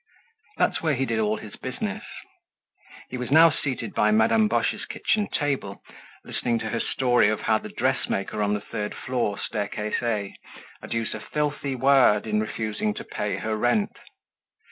That's where he did all his business. He was now seated by Madame Boche's kitchen table, listening to her story of how the dressmaker on the third floor, staircase A, had used a filthy word in refusing to pay her rent.